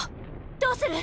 どうする？